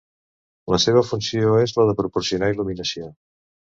La seva funció és la de proporcionar il·luminació.